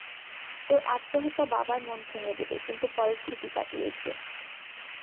তোর আত্মহত্যা বাবার মন ভেঙে দেবে, কিন্তু পরে ঠিকই কাটিয়ে উঠবে।